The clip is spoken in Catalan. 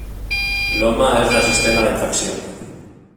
L'home és resistent a la infecció.